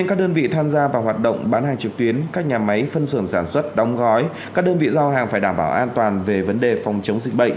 các đơn vị do hàng phải đảm bảo an toàn về vấn đề phòng chống dịch bệnh